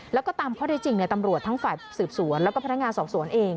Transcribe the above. แล้วก็ตามข้อได้จริงตำรวจทั้งฝ่ายสืบสวนแล้วก็พนักงานสอบสวนเอง